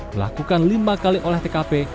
melakukan lima kali oleh tkp